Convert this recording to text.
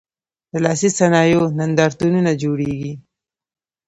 د لاسي صنایعو نندارتونونه جوړیږي؟